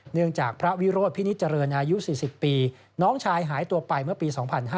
เนื่องจากพระวิโรธพินิษเจริญอายุ๔๐ปีน้องชายหายตัวไปเมื่อปี๒๕๕๙